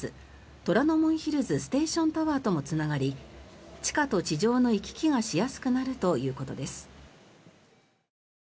虎ノ門ヒルズステーションタワーともつながり地下と地上の行き来がしやすくなるということです。